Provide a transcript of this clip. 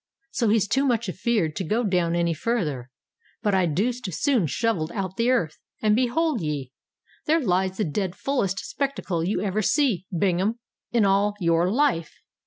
So he's too much afeared to go down any farther; but I deuced soon shovelled out the earth—and, behold ye! there lies the dread fullest spectacle you ever see, Bingham, in all your life.